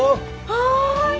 はい。